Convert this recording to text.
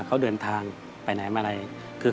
เขาเดินทางไปไหนมาอะไร